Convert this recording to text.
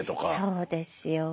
そうですよ。